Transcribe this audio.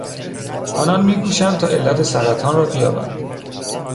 آنان میکوشند تا علت سرطان را بیابند.